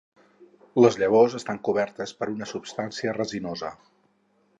Les llavors estan cobertes per una substància resinosa.